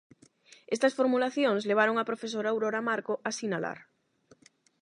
Estas formulacións, levaron á profesora Aurora Marco a sinalar: